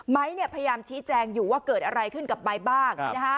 ไมค์เนี่ยพยายามชี้แจงอยู่ว่าเกิดอะไรขึ้นกับใบบ้าง